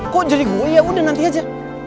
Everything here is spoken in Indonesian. kok jadi gue ya udah nanti aja